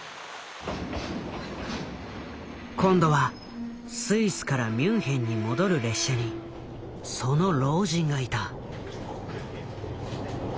今度はスイスからミュンヘンに戻る列車にその老人がいた。